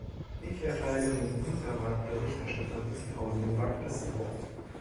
Ich erteile nun unserer Berichterstatterin, Frau Nowak, das Wort.